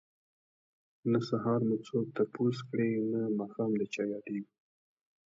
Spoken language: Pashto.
نه سهار مو څوک تپوس کړي نه ماښام د چا ياديږو